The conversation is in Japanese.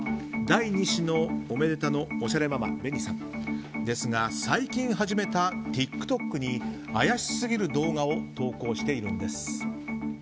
第２子のおめでたのおしゃれママＢＥＮＩさんですがですが、最近始めたＴｉｋＴｏｋに怪しすぎる動画を投稿しているんです。